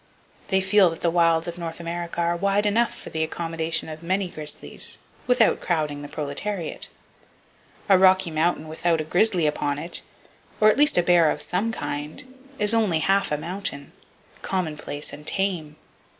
They feel that the wilds of North America are wide enough for the accommodation of many grizzlies, without crowding the proletariat. A Rocky Mountain without a grizzly upon it, or [Page 178] at least a bear of some kind, is only half a mountain,—commonplace and tame.